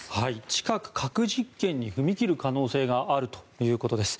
近く核実験に踏み切る可能性があるということです。